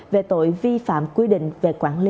về tội vi phạm quy định về quản lý